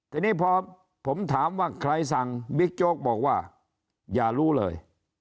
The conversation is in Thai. ทีนี้พอผมถามว่าใครสั่งบิ๊กโจ๊กบอกว่าอย่ารู้เลย